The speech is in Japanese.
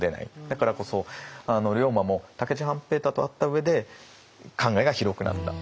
だからこそ龍馬も武市半平太と会った上で考えが広くなった。